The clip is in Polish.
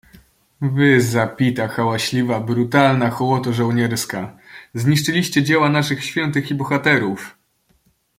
"Wy, zapita, hałaśliwa, brutalna hołoto żołnierska, zniszczyliście dzieła naszych świętych i bohaterów!"